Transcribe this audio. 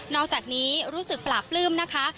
อกจากนี้รู้สึกปลาปลื้มนะคะ